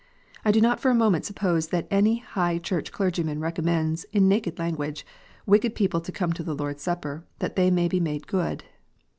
I do not for a moment suppose that any High Church clergyman recommends, in naked language, wicked people to come to the Lord s Supper that they may be made good.